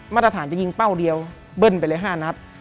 มาตรฐานจะหยิงเป้าเดียว๕นัท